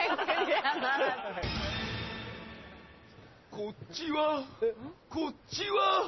こっちはこっちは